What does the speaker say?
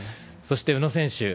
そして宇野選手。